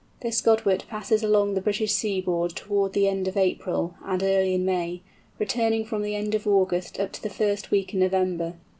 This Godwit passes along the British seaboard towards the end of April, and early in May, returning from the end of August up to the first week in November.